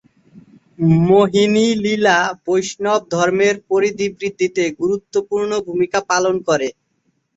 মোহিনী-লীলা বৈষ্ণবধর্মের পরিধি বৃদ্ধিতে গুরুত্বপূর্ণ ভূমিকা পালন করে।